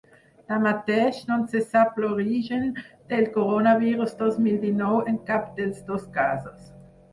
Tanmateix, no se sap l’origen del coronavirus dos mil dinou en cap dels dos casos.